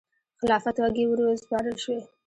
خلافت واګې وروسپارل شوې.